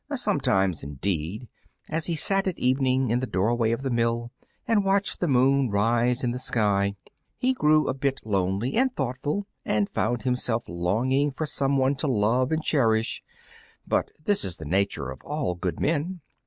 Sometimes, indeed, as he sat at evening in the doorway of the mill and watched the moon rise in the sky, he grew a bit lonely and thoughtful, and found himself longing for some one to love and cherish, for this is the nature of all good men.